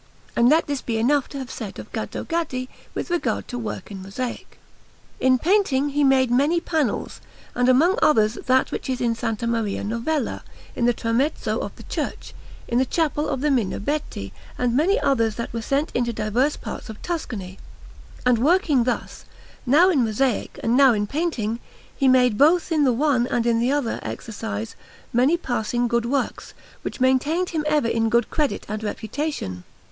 And let this be enough to have said of Gaddo Gaddi with regard to work in mosaic. In painting he made many panels, and among others that which is in S. Maria Novella, in the tramezzo of the church, in the Chapel of the Minerbetti, and many others that were sent into diverse parts of Tuscany. And working thus, now in mosaic and now in painting, he made both in the one and in the other exercise many passing good works, which maintained him ever in good credit and reputation.